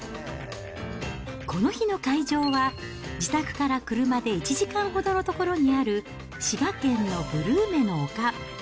この日の会場は、自宅から車で１時間ほどの所にある、滋賀県のブルーメの丘。